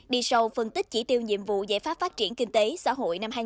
đi sâu phân tích chỉ tiêu nhiệm vụ giải pháp phát triển kinh tế xã hội năm hai nghìn hai mươi